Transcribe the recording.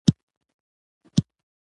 پاکه هوا انسان ته تازه انرژي ورکوي.